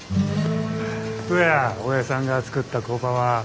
どやおやじさんが作った工場は。